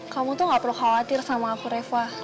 kamu tuh gak perlu khawatir sama aku reva